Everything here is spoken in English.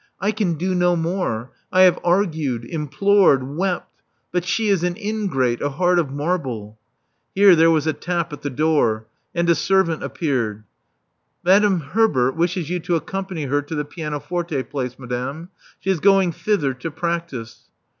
I can do no more. I have argued — implored — wept; but she is an ingrate, a heart of marble. " Here there was a tap at the door; and a servant appeared. *' Madame Herbert wishes you to accompany her to the pianoforte place, madame. She is going thither to practise."